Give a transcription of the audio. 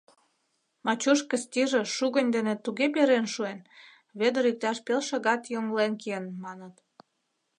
Мачуш Кыстиже шугынь дене туге перен шуэн, Вӧдыр иктаж пел шагат йоҥлен киен, маныт.